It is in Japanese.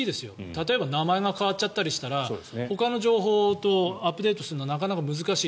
例えば名前が変わっちゃったりしたらほかの情報とアップデートするのはなかなか難しい。